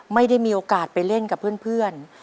ไม่ได้มีโอกาสไปเล่นกับเพื่อน